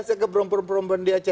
saya keberumpun berumpun di aceh